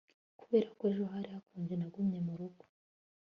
kubera ko ejo hari hakonje, nagumye murugo